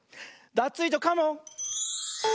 ダツイージョカモン！